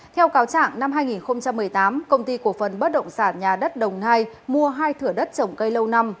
theo cáo trạng năm hai nghìn một mươi tám công ty cổ phần bất động sản nhà đất đồng nai mua hai thửa đất trồng cây lâu năm